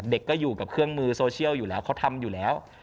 เด็กก็อยู่กับเครื่องมือโซเชียลอยู่แล้วเขาทำอยู่แล้ว